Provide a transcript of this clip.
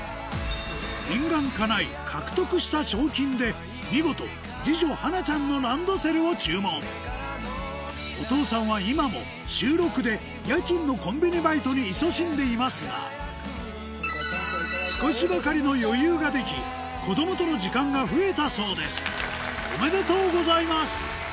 念願かない獲得した賞金で見事二女はなちゃんのランドセルを注文お父さんは今も週６で夜勤のコンビニバイトにいそしんでいますが少しばかりの余裕ができそうですおめでとうございます！